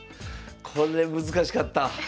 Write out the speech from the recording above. これ難しかった。